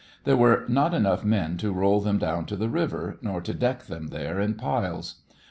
There were not enough men to roll them down to the river, nor to "deck" them there in piles.